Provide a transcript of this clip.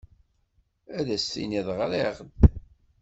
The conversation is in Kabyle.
Ad as-tiniḍ ɣriɣ-d?